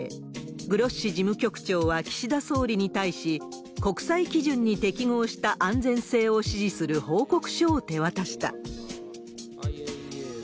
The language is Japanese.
グロッシ事務局長は岸田総理に対し、国際基準に適合した安全性を支持する報告書を手渡した。